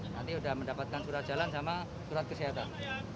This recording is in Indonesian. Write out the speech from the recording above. nanti sudah mendapatkan surat jalan sama surat kesehatan